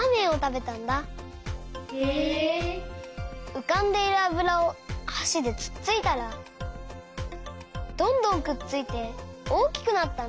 うかんでいるあぶらをはしでつっついたらどんどんくっついておおきくなったんだ。